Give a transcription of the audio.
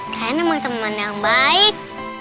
karena memang teman yang baik